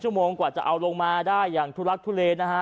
โมงกว่าจะเอาลงมาได้อย่างทุลักทุเลนะฮะ